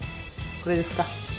これですか？